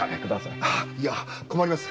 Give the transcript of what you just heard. いや困ります。